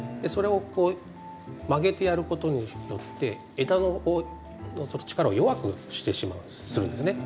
それをこう曲げてやることによって枝の力を弱くしてしまうんです。